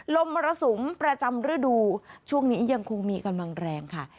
มรสุมประจำฤดูช่วงนี้ยังคงมีกำลังแรงค่ะ